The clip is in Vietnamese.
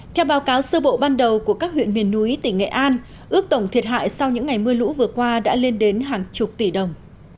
theo báo cáo sơ bộ ban đầu của các huyện miền núi tỉnh nghệ an ước tổng thiệt hại sau những ngày mưa lũ vừa qua đã lên đến hàng chục tỷ đồng